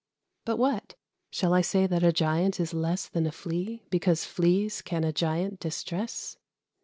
But, what! shall I say that a giant is less Than a flea, because fleas can a giant distress?